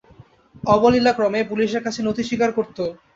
অবলীলাক্রমেই পুলিশের কাছে নতি স্বীকার করত।